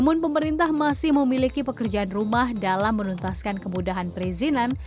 namun pemerintah masih memiliki pekerjaan rumah dalam menuntaskan kemudahan perizinan